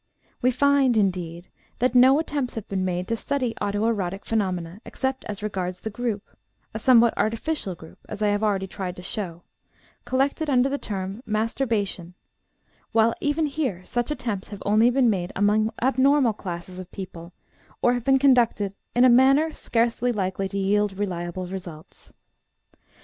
We find, indeed, that no attempts have been made to study auto erotic phenomena, except as regards the group a somewhat artificial group, as I have already tried to show collected under the term "masturbation" while even here such attempts have only been made among abnormal classes of people, or have been conducted in a manner scarcely likely to yield reliable results.